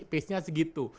pace nya segitu